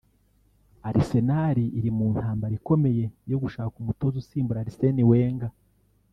Arsenal iri mu ntambara ikomeye yo gushaka umutoza usimbura Arsene Wenger